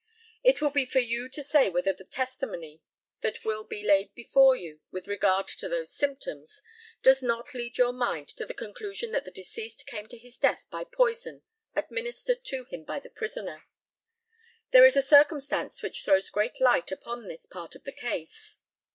It will be for you to say whether the testimony that will be laid before you with regard to those symptoms does not lead your mind to the conclusion that the deceased came to his death by poison administered to him by the prisoner. There is a circumstance which throws great light upon this part of the case.